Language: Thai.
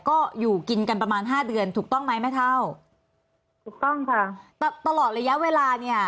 ก็อยู่กินกันประมาณห้าเดือนถูกต้องไหมแม่เท่าถูกต้องค่ะตลอดระยะเวลาเนี่ย